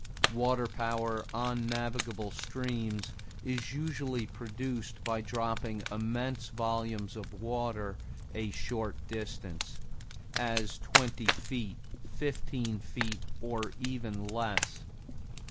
Water power on navigable streams is usually produced by dropping immense volumes of water a short distance, as twenty feet, fifteen feet, or even less.